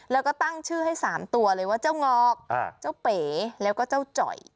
แล้วก็ตั้งชื่อให้๓ตัวเลยว่าเจ้างอกเจ้าเป๋แล้วก็เจ้าจ่อย